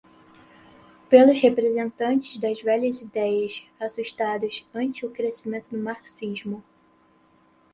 pelos representantes das velhas ideias, assustados ante o crescimento do marxismo